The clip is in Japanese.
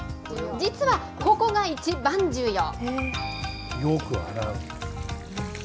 実は、ここが一番重要。